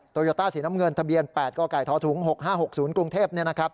โยต้าสีน้ำเงินทะเบียน๘กกทถุง๖๕๖๐กรุงเทพ